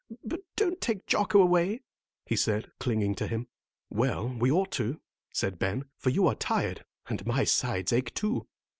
But don't take Jocko away," he said, clinging to him. "Well, we ought to," said Ben, "for you are tired, and my sides ache, too."